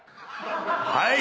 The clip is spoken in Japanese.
はい！